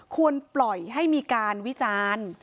ควรปล่อยให้มีการวิจารณ์